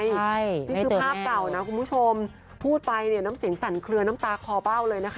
นี่คือภาพเก่านะคุณผู้ชมพูดไปเนี่ยน้ำเสียงสั่นเคลือน้ำตาคอเบ้าเลยนะคะ